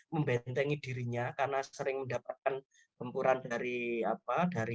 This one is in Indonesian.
membentengi dirinya karena sering mendapatkan kempuran dari